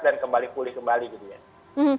dan kembali pulih kembali gitu ya